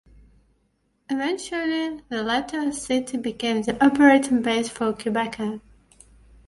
Eventually the latter city became the operating base for Quebecair.